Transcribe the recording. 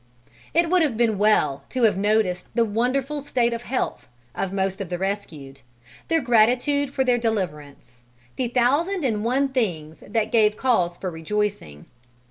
It would have been well to have noticed the wonderful state of health of most of the rescued, their gratitude for their deliverance, the thousand and one things that gave cause for rejoicing.